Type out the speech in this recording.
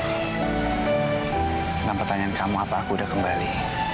tentang pertanyaan kamu apa aku udah kembali